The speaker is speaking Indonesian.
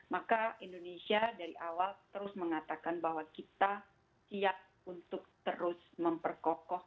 maka indonesia dari awal terus mengatakan bahwa kita siap untuk terus memperkokoh